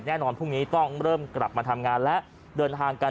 พรุ่งนี้ต้องเริ่มกลับมาทำงานและเดินทางกัน